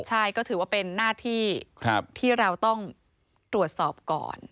ใช่ก็ถือว่าเป็นหน้าที่ที่เราต้องตรวจสอบก่อน